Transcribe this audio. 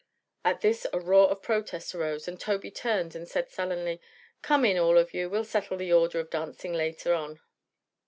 At this a roar of protest arose and Tobey turned and said sullenly: "Come in, all of you. We'll settle the order of dancing later on."